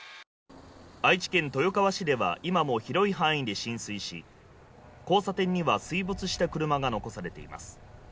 愛知県豊川市では、今も広い範囲で浸水し、交差点には水没した車が残されています。